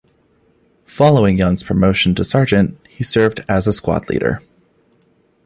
Following Young's promotion to sergeant, he served as a squad leader.